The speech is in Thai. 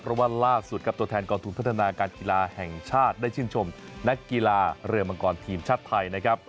เพราะว่าล่าสุดครับตัวแทนกองทุนพัฒนาการกีฬาแห่งชาติได้ชื่นชมนักกีฬาเรือมังกรทีมชาติไทยนะครับ